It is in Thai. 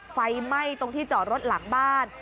ไฟไหม้ตรงที่จอดรถหลังบ้าน